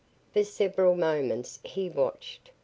For several moments he watched.